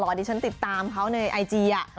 ดิฉันติดตามเขาในไอจี